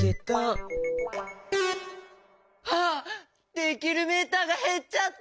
できるメーターがへっちゃった！